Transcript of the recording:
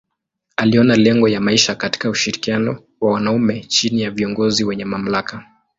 Aliona lengo ya maisha katika ushirikiano wa wanaume chini ya viongozi wenye mamlaka.